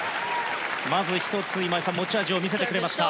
まず１つ、今井さん持ち味を見せてくれました。